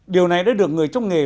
điều này đã được người trong nghề